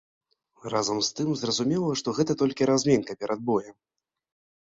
Разам з тым, зразумела, што гэта толькі размінка перад боем.